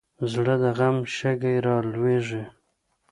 زړه د غم شګې رالوېږي.